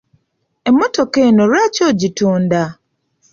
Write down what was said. Emmotoka eno lwaki ogitunda?